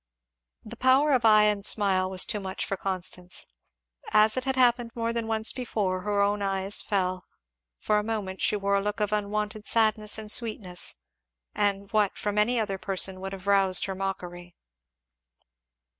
The power of eye and smile was too much for Constance, as it had happened more than once before; her own eyes fell and for a moment she wore a look of unwonted sadness and sweetness, at what from any other person would have roused her mockery.